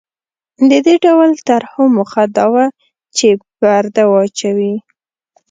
د دې ډول طرحو موخه دا وه چې پرده واچوي.